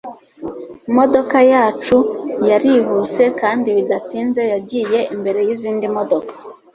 imodoka yacu yarihuse kandi bidatinze yagiye imbere yizindi modoka